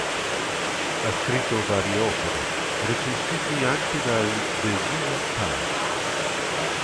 Ha scritto varie opere, recensiti anche dal The New York Times.